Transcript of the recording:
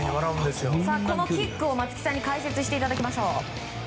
このキックを松木さんに解説していただきます。